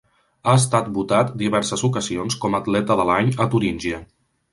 Ha estat votat diverses ocasions com atleta de l'any a Turíngia.